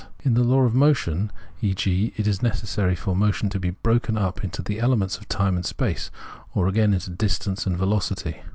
In the law of motion, e.g., it is necessary for motion to be broken up into the elements time and space, or again, into distance and velocity.